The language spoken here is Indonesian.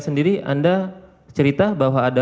sendiri anda cerita bahwa ada